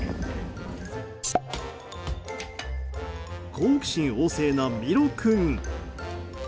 好奇心旺盛なミロ君。